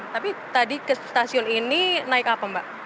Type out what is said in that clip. tapi tadi ke stasiun ini naik apa mbak